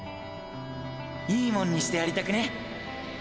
いモンにしてやりたくね！？